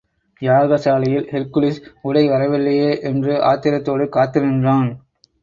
யாக சாலையில் ஹெர்க்குலிஸ் உடை வரவில்லையே என்று ஆத்திரத்தோடு காத்து நின்றான்.